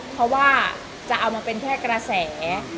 เขาว่านี่จะเอามาเป็นแค่กระแส